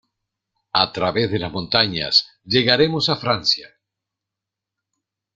A través de las montañas llegaremos a Francia.